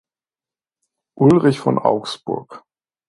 Ulrich von Augsburg.